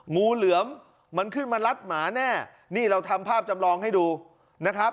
งูเหลือมมันขึ้นมารัดหมาแน่นี่เราทำภาพจำลองให้ดูนะครับ